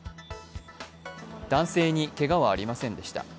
男性にけがはありませんでした。